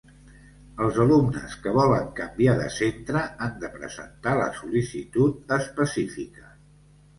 Els alumnes que volen canviar de centre han de presentar la sol·licitud específica.